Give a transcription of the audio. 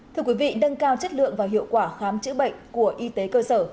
thưa quý vị nâng cao chất lượng và hiệu quả khám chữa bệnh của y tế cơ sở